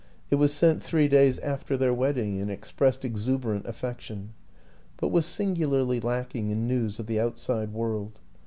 It was sent three days after their wedding, and expressed exuberant affection, but was singularly lacking in news of the outside world.